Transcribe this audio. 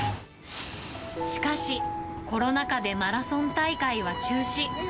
しかし、コロナ禍でマラソン大会は中止。